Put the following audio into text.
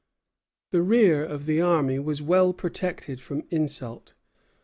The rear of the army was well protected from insult.